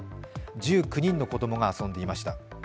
１９人の子供が遊んでいました。